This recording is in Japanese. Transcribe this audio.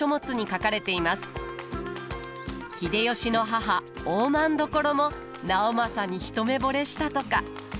秀吉の母大政所も直政に一目ぼれしたとか。